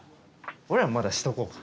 俺らもまだしとこうか。